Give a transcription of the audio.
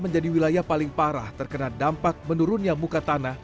menjadi wilayah paling parah terkena dampak menurunnya muka tanah